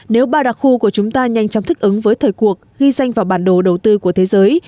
nếu ba đặc khu của chúng ta nhanh chóng thích ứng với thời cuộc ghi danh vào bản đồ đầu tư của thế giới